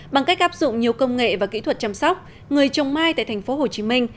bằng cách áp dụng nhiều công nghệ và kỹ thuật chăm sóc người trồng mai tại thành phố hồ chí minh